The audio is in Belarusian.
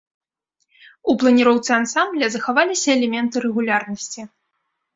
У планіроўцы ансамбля захаваліся элементы рэгулярнасці.